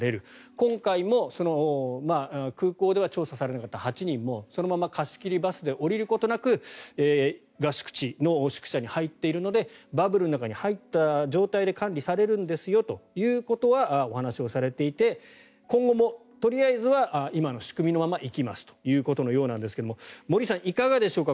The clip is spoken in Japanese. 今回も空港では調査されなかった８人もそのまま貸し切りバスで降りることなく合宿地の宿舎に入っているのでバブルの中に入った状態で管理されるんですということはお話をされていて今後も、とりあえずは今の仕組みのまま行きますということのようですが森内さん、いかがでしょうか。